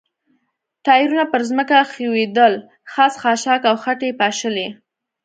ټایرونه پر ځمکه ښویېدل، خس، خاشاک او خټې یې پاشلې.